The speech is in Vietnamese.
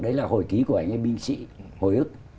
đấy là hồi ký của anh em binh sĩ hồi ức